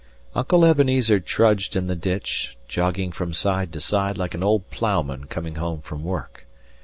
Uncle Ebenezer trudged in the ditch, jogging from side to side like an old ploughman coming home from work.